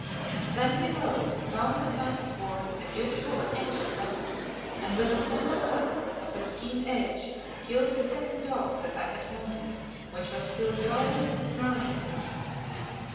Then he rose, found the Khan's sword, a beautiful and ancient weapon, and with a single cut of its keen edge, killed the second dog that I had wounded, which was still yowling and snarling at us.